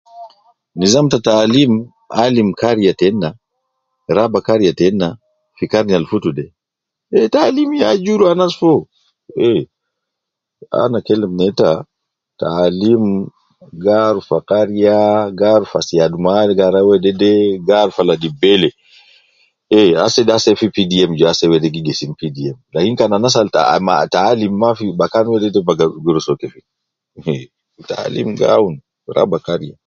Nizam ta taalim alim kariya tena, raba kariya tena fi karni al futu de, eh taalim ya juru anas foo, eh, ana kelem neta, taalim gi arufa kariya, gi arufa siyadum agara wedede, gi arufa ladi bele, eh asede asede fi PDM je ase wede gi gesim PDM lain kan anas al ta ma taalim mafi bakan wede baga gi rua soo kefin, taalim gi awun raba kariya